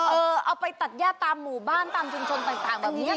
เอาไปตัดย่าตามหมู่บ้านตามชุมชนต่างแบบนี้